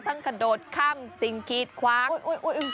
ต้องกระโดดข้ามสิงกรีดคว้าง